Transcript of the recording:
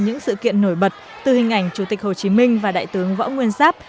những sự kiện nổi bật từ hình ảnh chủ tịch hồ chí minh và đại tướng võ nguyên giáp